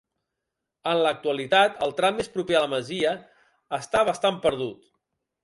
En l'actualitat, el tram més proper a la masia està bastant perdut.